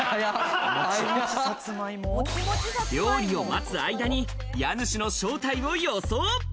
料理を待つ間に家主の正体を予想。